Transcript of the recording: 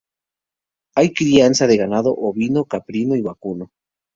Hay crianza de ganado ovino, caprino y vacuno.